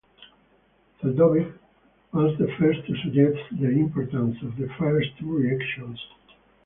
Zeldovich was the first to suggest the importance of the first two reactions.